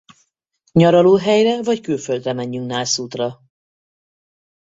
Nyaralóhelyre vagy külföldre menjünk nászútra?